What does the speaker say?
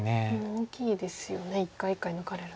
大きいですよね一回一回抜かれるの。